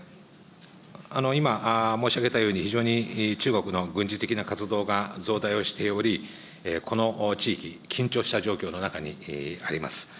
今、申し上げたように、非常に中国の軍事的な活動が増大をしており、この地域、緊張した状況の中にあります。